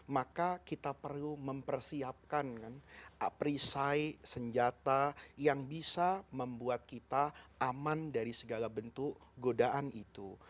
maka kita perlu mempersiapkan perisai senjata yang bisa membuat kita aman dari segala bentuk godaan itu